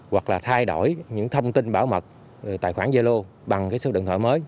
hoặc là thay đổi những thông tin bảo mật tài khoản zalo bằng cái số điện thoại mới